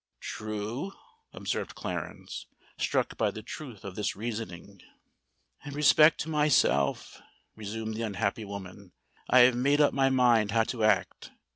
"True!" observed Clarence, struck by the truth of this reasoning. "In respect to myself," resumed the unhappy woman, "I have made up my mind how to act.